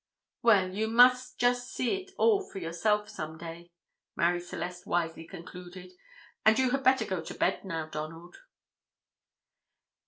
"Well, you must just see it all for yourself some day," Marie Celeste wisely concluded; "and you had better go to bed now, Donald."